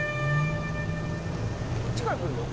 こっちから来るの？